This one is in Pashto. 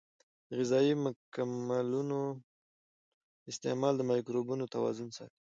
د غذایي مکملونو استعمال د مایکروبونو توازن ساتي.